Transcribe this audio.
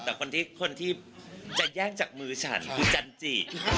แต่คนที่จะแยกจากมือฉันคือจันจิ